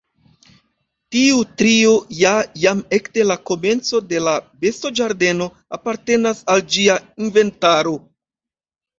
Tiu trio ja jam ekde la komenco de la bestoĝardeno apartenas al ĝia inventaro.